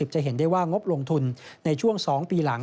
จะเห็นได้ว่างบลงทุนในช่วง๒ปีหลัง